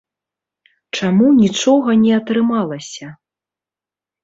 Чаму нічога не атрымалася?